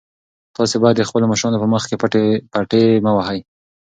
تاسي باید د خپلو مشرانو په مخ کې پټې مه وهئ.